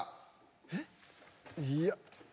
えっ？いや。